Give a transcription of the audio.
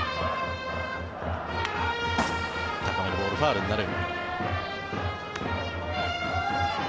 高めのボールファウルになる。